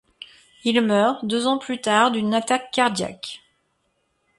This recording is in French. Il meurt deux ans plus tard d'une attaque cardiaque.